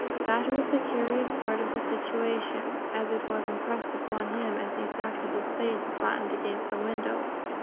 That was the curious part of the situation, as it was impressed upon him as he sat with his face flattened against the window.